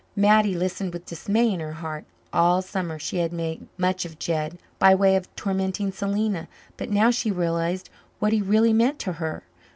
Mattie listened with dismay in her heart. All summer she had made much of Jed, by way of tormenting Selena. But now she realized what he really meant to her.